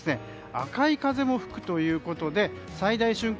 赤い風も吹くということで最大瞬間